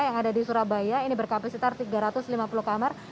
yang ada di surabaya ini berkapasitas tiga ratus lima puluh kamar